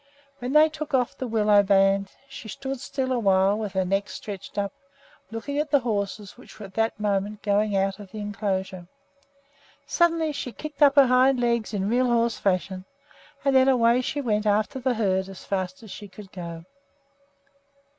When they took off the willow band she stood still awhile with her neck stretched up, looking at the horses which were at that moment going out of the inclosure. Suddenly she kicked up her hind legs in real horse fashion, and then away she went after the herd as fast as she could go.